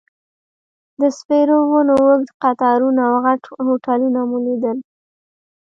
د سپیرو ونو اوږد قطارونه او غټ هوټلونه مو لیدل.